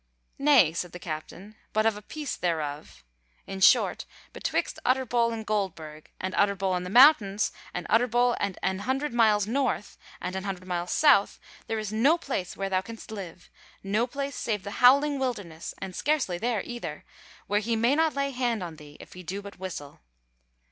"Nay," said the captain, "but of a piece thereof. In short, betwixt Utterbol and Goldburg, and Utterbol and the mountains, and Utterbol and an hundred miles north, and an hundred miles south, there is no place where thou canst live, no place save the howling wilderness, and scarcely there either, where he may not lay hand on thee if he do but whistle.